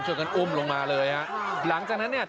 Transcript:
กันอุ้มลงมาเลยฮะหลังจากนั้นเนี่ย